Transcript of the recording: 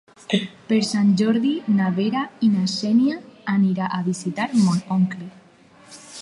Per Sant Jordi na Vera i na Xènia aniran a visitar mon oncle.